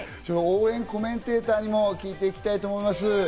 応援コメンテーターにも聞いていきたいと思います。